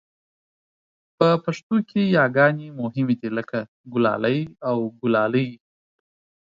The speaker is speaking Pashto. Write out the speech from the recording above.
په پښتو کې یاګانې مهمې دي لکه ګلالی او ګلالۍ